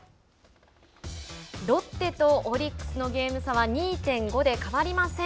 ロッテとオリックスのゲーム差は２．５で変わりません。